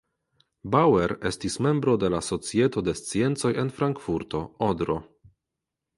Bauer estis membro de la Societo de Sciencoj en Frankfurto (Odro).